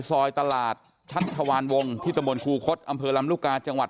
ซอยตลาดชัชวานวงที่ตำบลครูคดอำเภอลำลูกกาจังหวัด